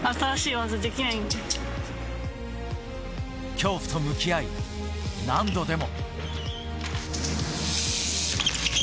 恐怖と向き合い、何度でも。